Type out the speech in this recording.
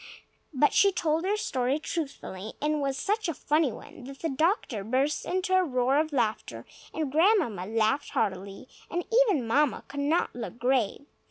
But she told her story truthfully; and it was such a funny one that the doctor burst into a roar of laughter, and Grandmamma laughed heartily, and even Mamma could not look grave.